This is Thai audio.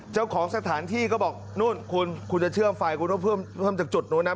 เจ้าของสถานที่ก็บอกนู่นคุณคุณจะเชื่อมไฟคุณต้องเพิ่มจากจุดนู้นนะ